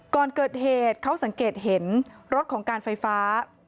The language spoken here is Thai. ก่อนเกิดเหตุเขาสังเกตเห็นรถของการไฟฟ้า